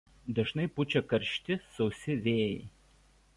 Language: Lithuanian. Dažnai pučia karšti sausi vėjai.